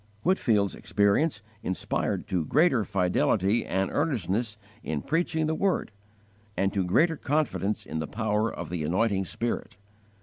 Whitefield's experience inspired to greater fidelity and earnestness in preaching the Word, and to greater confidence in the power of the anointing Spirit.